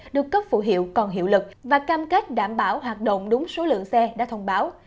được cấp phụ hiệu còn hiệu lực và cam kết đảm bảo hoạt động đúng số lượng xe đã thông báo